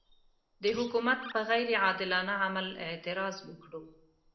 د حکومت پر غیر عادلانه عمل اعتراض وکړو.